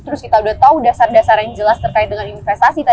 terus kita udah tahu dasar dasar yang jelas terkait dengan investasi